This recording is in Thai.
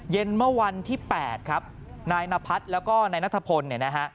เย็นเมื่อวันที่๘ครับนายนพัฒน์แล้วก็นายนัทพลเนี่ยนะฮะ